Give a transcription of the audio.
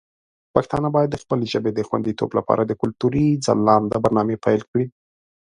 پښتانه باید د خپلې ژبې د خوندیتوب لپاره د کلتوري ځلانده برنامې پیل کړي.